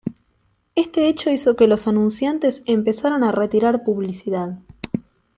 Este hecho hizo que los anunciantes empezaran a retirar publicidad.